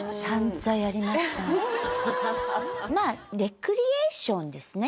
まあレクリエーションですね